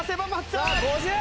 さあ５０！